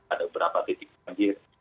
ada beberapa titik banjir